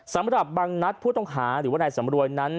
สำหรับบังนัดผู้ต้องหาหรือว่านายสำรวยนั้น